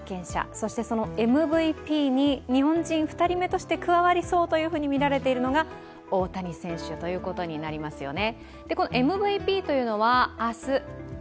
そしてМＶＰに日本人２人目として加わりそうとみられているのが大谷選手になりますよね。